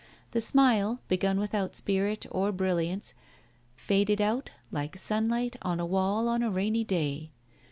The smile, begun without spirit or brilliance, faded out like sunlight on a wall on a rainy day.